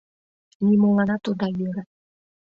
Нимоланат ода йӧрӧ!